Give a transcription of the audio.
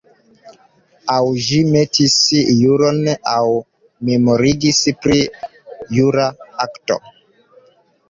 Aŭ ĝi metis juron aŭ memorigis pri jura akto.